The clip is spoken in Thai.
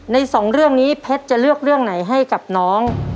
สองเรื่องนี้เพชรจะเลือกเรื่องไหนให้กับน้อง